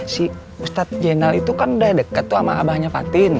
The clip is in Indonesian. si ustadz jena itu kan udah dekat tuh sama abahnya patin